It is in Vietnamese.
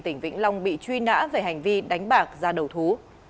tỉnh vĩnh long bị truy nã về hành vi đánh bạc ra đầu thú